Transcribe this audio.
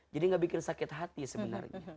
gak bikin sakit hati sebenarnya